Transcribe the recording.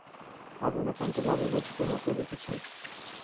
অবলাকান্তবাবু বুঝি তোমাকেই লিখেছেন?